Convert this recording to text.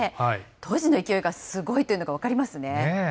当時の勢いがすごいというのが分かりますね。